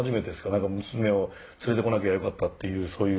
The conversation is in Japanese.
なんか娘を連れてこなきゃよかったっていうそういう。